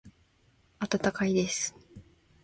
温かいです。